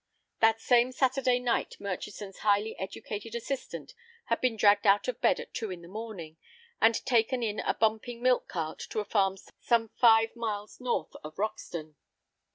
That same Saturday night Murchison's highly educated assistant had been dragged out of bed at two in the morning, and taken in a bumping milk cart to a farm some five miles north of Roxton.